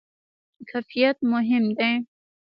کیفیت مهم دی